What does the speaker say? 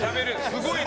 すごい！